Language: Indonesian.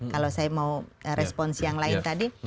kalau saya mau respons yang lain tadi